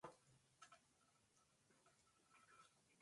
Dave participó en la producción del musical alemán 'City Lights'.